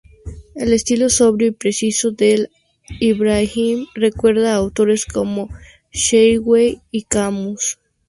El estilo sobrio y preciso de Ibrahim recuerda a autores como Hemingway o Camus.